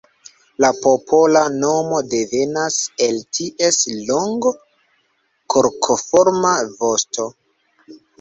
La popola nomo devenas el ties longo forkoforma vosto.